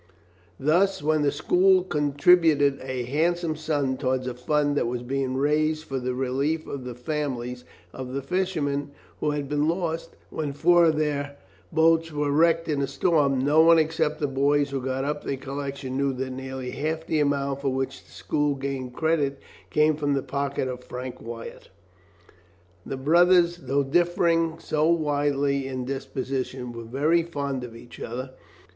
Thus when the school contributed a handsome sum towards a fund that was being raised for the relief of the families of the fishermen who had been lost, when four of their boats were wrecked in a storm, no one except the boys who got up the collection knew that nearly half the amount for which the school gained credit came from the pocket of Frank Wyatt. The brothers, though differing so widely in disposition, were very fond of each other.